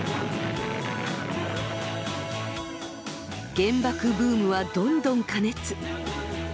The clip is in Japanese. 原爆ブームはどんどん加熱。